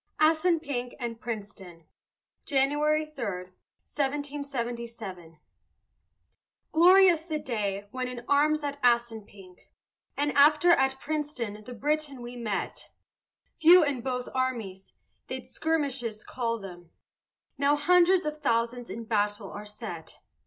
ASSUNPINK AND PRINCETON [January 3, 1777] Glorious the day when in arms at Assunpink, And after at Princeton the Briton we met; Few in both armies they'd skirmishes call them, Now hundreds of thousands in battle are set.